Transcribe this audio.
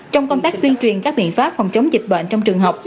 trong công tác tuyên truyền các biện pháp phòng chống dịch bệnh trong trường học